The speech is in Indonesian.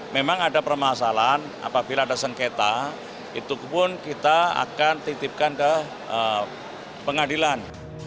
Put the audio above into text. memang ada permasalahan apabila ada sengketa itu pun kita akan titipkan ke pengadilan